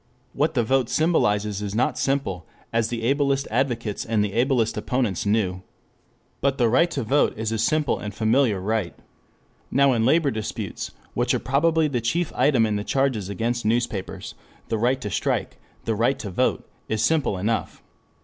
What the vote symbolizes is not simple, as the ablest advocates and the ablest opponents knew. But the right to vote is a simple and familiar right. Now in labor disputes, which are probably the chief item in the charges against newspapers, the right to strike, like the right to vote, is simple enough.